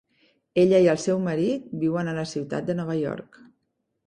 Ella i el seu marit viuen a la ciutat de Nova York.